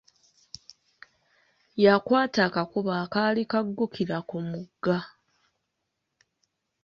Yakwata akakubo akaali kaggukira ku mugga.